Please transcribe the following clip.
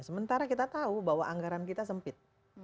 sementara kita tahu bahwa anggaran kita sempit